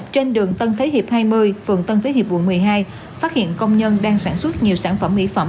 trên đường tân thế hiệp hai mươi phường tân thế hiệp quận một mươi hai phát hiện công nhân đang sản xuất nhiều sản phẩm mỹ phẩm